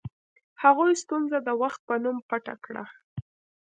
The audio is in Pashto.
هغوی ستونزه د وخت په نوم پټه کړه.